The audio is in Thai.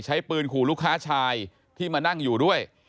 ใช้ปืนขู่ลูกค้าชายที่มานั่งอยู่ด้วย